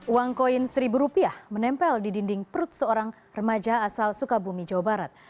uang koin seribu rupiah menempel di dinding perut seorang remaja asal sukabumi jawa barat